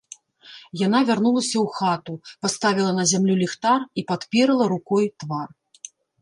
Яна вярнулася ў хату, паставіла на зямлю ліхтар і падперла рукой твар.